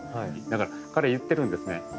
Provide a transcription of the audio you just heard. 彼言ってるんですね。